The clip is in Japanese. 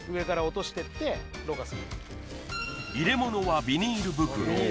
入れものはビニール袋